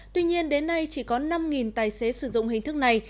tuy nhiên đến nay chỉ có năm tài xế sử dụng hình thức này